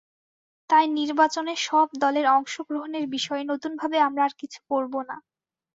তাই নির্বাচনে সব দলের অংশগ্রহণের বিষয়ে নতুনভাবে আমরা আর কিছু করব না।